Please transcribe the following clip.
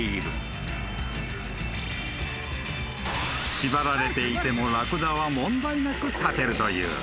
［縛られていてもラクダは問題なく立てるという］